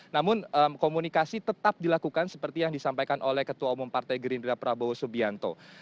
namun komunikasi tetap dilakukan seperti yang disampaikan oleh ketua umum partai gerindra prabowo subianto